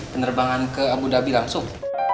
penerbangan ke abu dhabi langsung